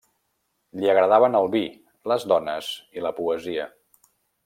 Li agradaven el vi, les dones i la poesia.